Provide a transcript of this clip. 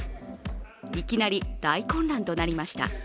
いきなり大混乱となりました。